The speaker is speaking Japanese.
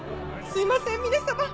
すいません峰様。